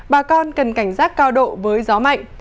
bà con cần cảnh giác cao độ với gió mạnh